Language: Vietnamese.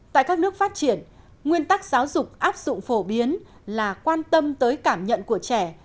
tại các nước phát triển nguyên tắc giáo dục áp dụng phổ biến là quan tâm tới cảm nhận của trẻ